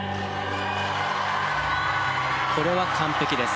これは完璧です。